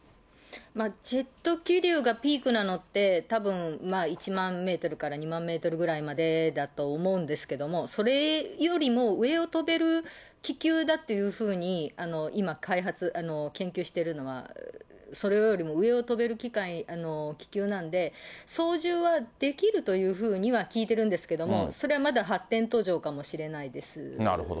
ジェット気流がピークなのってたぶん、１万メートルから２万メートルぐらいまでだと思うんですけど、それよりも上を飛べる気球だというふうに今、研究しているのは、それよりも上を飛べる気球なんで、操縦はできるというふうには聞いてるんですけれども、それはまだ発展途上かもしれないですね。